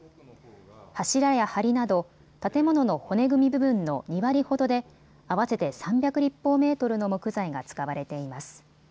柱やはりなど建物の骨組み部分の２割ほどで合わせて３００立方メートルの木材が使われています。